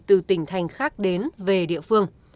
từ tỉnh thành khác đến về địa phương